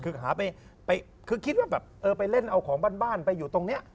คือหาไปคือคิดว่าแบบเออไปเล่นเอาของบ้านไปอยู่ตรงนี้